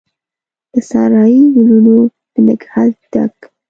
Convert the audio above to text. د سارایي ګلونو د نګهت ډک،